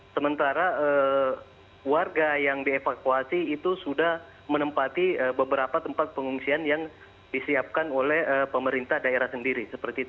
sementara warga yang dievakuasi itu sudah menempati beberapa tempat pengungsian yang disiapkan oleh pemerintah daerah sendiri